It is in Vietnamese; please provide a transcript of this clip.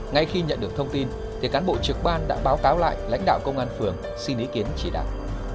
ngay khi nhận được thông tin cán bộ trực ban đã báo cáo lại lãnh đạo công an phường xin ý kiến chỉ đạo